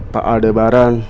pak al de bareng